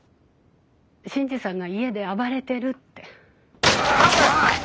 新次さんが家で暴れてるって。